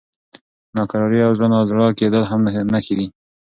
ناکراري او زړه نازړه کېدل هم نښې دي.